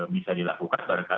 bisa dilakukan mereka